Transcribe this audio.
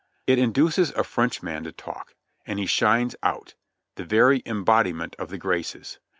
It induces a Frenchman to talk, and he shines out, the very em bodiment of the graces.